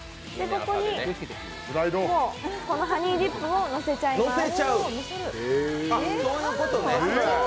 ここにハニーディップをのせちゃいます。